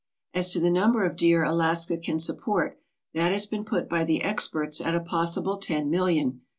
As to the number of deer Alaska can support that has been put by the experts at a possible ten million.